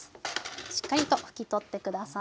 しっかりと拭き取って下さい。